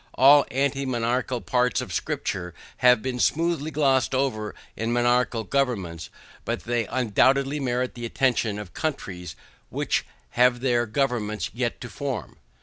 All anti monarchical parts of scripture have been very smoothly glossed over in monarchical governments, but they undoubtedly merit the attention of countries which have their governments yet to form.